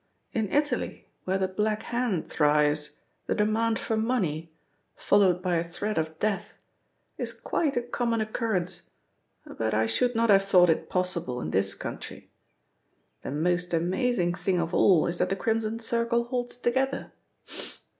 "In Italy, where the Black Hand thrives, the demand for money, followed by a threat of death, is quite a common occurrence, but I should not have thought it possible in this country. The most amazing thing of all is that the Crimson Circle holds together.